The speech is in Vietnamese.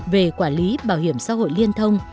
về quản lý bảo hiểm xã hội liên thông